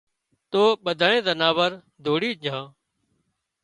تو ٻڌانئي زناور ڌوڙِي جھان